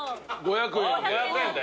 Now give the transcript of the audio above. ５００円で。